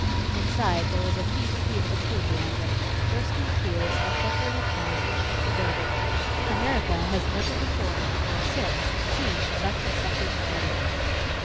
Inside there was a fever heat of enthusiasm, bursting cheers, and thundering applause which shook the building. America has never before nor since seen such a suffrage meeting.